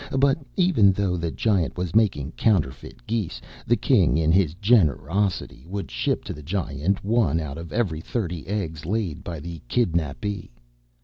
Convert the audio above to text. But even though the Giant was making counterfeit geese, the King, in his generosity, would ship to the Giant one out of every thirty eggs laid by the kidnappee.